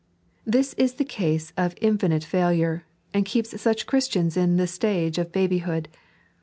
This is the cause of infinite failure, and keepa such Christians in the stage of babyhood.